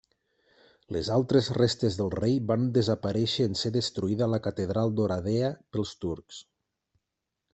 Les altres restes del rei van desaparèixer en ser destruïda la catedral d'Oradea pels turcs.